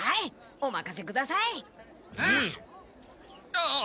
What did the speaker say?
ああ！